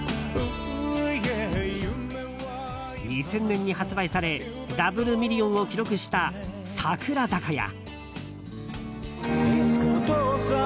２０００年に発売されダブルミリオンを記録した「桜坂」や。